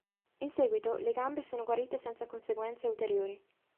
In seguito, le gambe sono guarite senza conseguenze ulteriori.